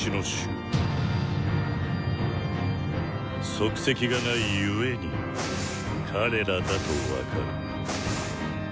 「『足跡がない』故に『彼ら』だと分かる」。